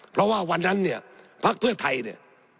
เพราะว่าวันนั้นเนี่ยพักเพื่อไทยเนี่ย